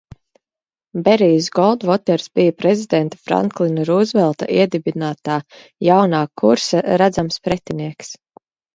Berijs Goldvoters bija prezidenta Franklina Rūzvelta iedibinātā Jaunā kursa redzams pretinieks.